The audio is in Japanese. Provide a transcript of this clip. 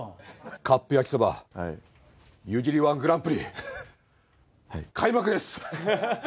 カップ焼きそば湯切り−１グランプリ開幕です！